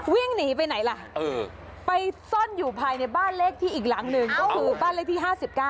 วิ่งหนีไปไหนล่ะไปซ่อนอยู่ภายในบ้านเลขที่อีกหลังหนึ่งก็คือบ้านเลขที่๕๙